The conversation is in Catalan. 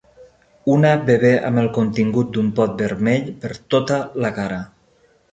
Una bebè amb el contingut d'un pot vermell per tota la cara.